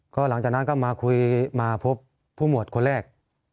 ก็หลังจากนั้นก็มาคุยมาพบผู้หมวดคนแรก